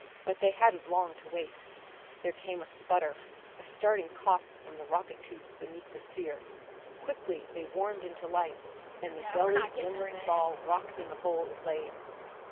But they hadn't long to wait. There came a sputter, a starting cough from the rocket tubes beneath the sphere. Quickly they warmed into life, and the dully glimmering ball rocked in the hole it lay in.